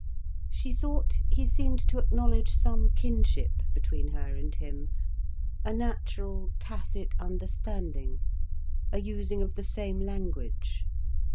She thought he seemed to acknowledge some kinship between her and him, a natural, tacit understanding, a using of the same language.